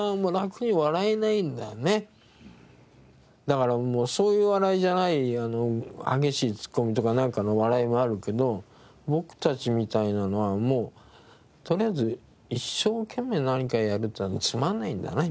だからそういう笑いじゃない激しいツッコミとかなんかの笑いもあるけど僕たちみたいなのはもうとりあえず一生懸命何かやるっていうのはつまんないんだね